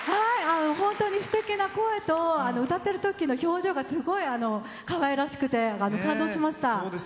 本当にすてきな声と歌ってるときの表情がすごいかわいらしくて感動しました。